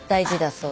そう。